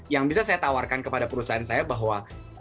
yang bisa saya tawarkan kepada perusahaan saya bahwa